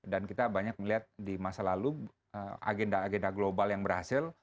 dan kita banyak melihat di masa lalu agenda agenda global yang berhasil